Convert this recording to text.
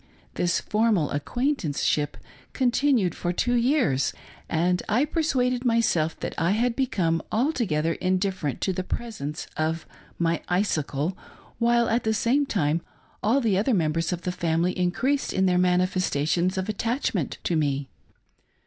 This for mal acquaintanceship continued for two years, and I per suaded myself that I had become altogether indifferent to the presence of my icicle, while at the same time all the other members of the family increased in their manifestations of attachment to me.